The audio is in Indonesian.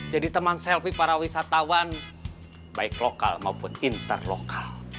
jadi teman selfie para wisatawan baik lokal maupun interlokal